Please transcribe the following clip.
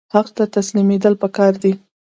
حق ته تسلیمیدل پکار دي